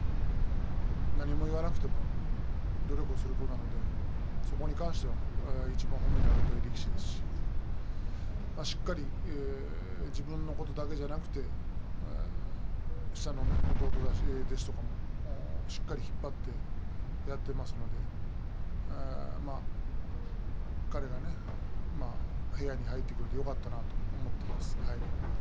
何も言わなくても努力をする子なのでそこに関してはいちばん褒めてあげたい力士ですし、しっかり自分のことだけじゃなくて下の弟弟子たちとかもしっかりと引っ張ってやっていますので彼が部屋に入ってくれてよかったなと思っています。